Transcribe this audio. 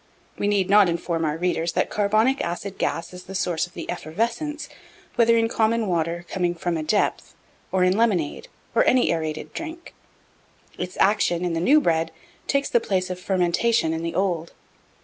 We need not inform our readers that carbonic acid gas is the source of the effervescence, whether in common water coming from a depth, or in lemonade, or any aërated drink. Its action, in the new bread, takes the place of fermentation in the old.